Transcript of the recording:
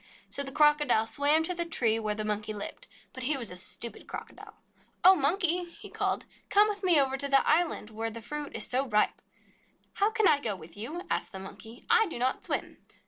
So the Crocodile swam to the tree where the Monkey lived. But he was a stupid Crocodile. "Oh, Monkey," he called, "come with me over to the island where the fruit is so ripe." "How can I go with you ?" asked the Monkey. "I do not swim."